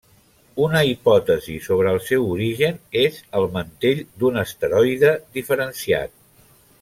Una hipòtesi sobre el seu origen és el mantell d'un asteroide diferenciat.